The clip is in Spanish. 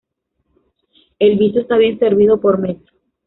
El Viso está bien servido por metro.